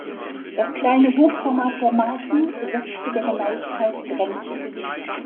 Das kleine Hochformat der Marken setzte der Genauigkeit Grenzen.